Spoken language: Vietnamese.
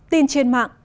tin trên mạng